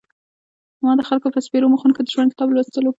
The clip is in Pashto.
ما د خلکو په سپېرو مخونو کې د ژوند کتاب لوستلو.